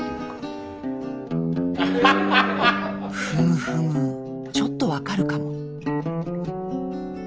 ふむふむちょっと分かるかも。